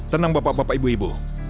tenang bapak bapak ibu ibu